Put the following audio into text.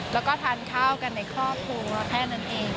แล้วก็ทานข้าวกันในครอบครัวแค่นั้นเอง